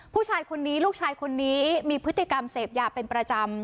ผู้ชายคนนี้ลูกชายคนนี้มีพฤติกรรมเสพยาเป็นประจำ